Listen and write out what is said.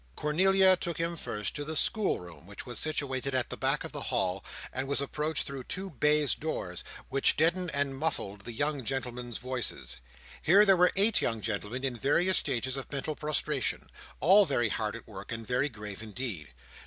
Cornelia took him first to the schoolroom, which was situated at the back of the hall, and was approached through two baize doors, which deadened and muffled the young gentlemen's voices. Here, there were eight young gentlemen in various stages of mental prostration, all very hard at work, and very grave indeed.